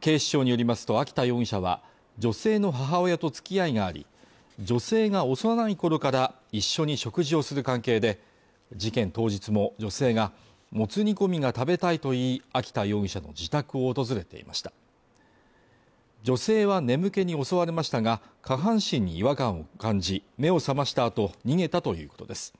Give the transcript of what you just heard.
警視庁によりますと秋田容疑者は女性の母親と付き合いがあり女性が幼い頃から一緒に食事をする関係で事件当日も女性がもつ煮込みが食べたいといい秋田容疑者の自宅を訪れていました女性は眠気に襲われましたが下半身に違和感を感じ目を覚ましたあと逃げたということです